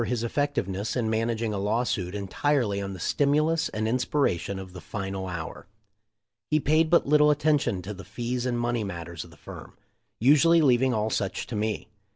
333 his effectiveness in managing a law suit entirely on the stimulus and inspiration of the final hour. He paid but little attention to the fees and money mat ters of the firm — usually leaving all such to me.